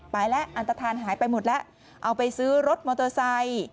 ไปแล้วอันตฐานหายไปหมดแล้วเอาไปซื้อรถมอเตอร์ไซค์